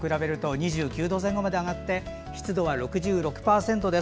２９度前後まで上がって湿度は６６％です。